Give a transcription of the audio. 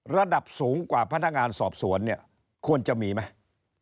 ระดับสูงกว่าพนักงานสอบสวนเนี่ยควรจะมีไหม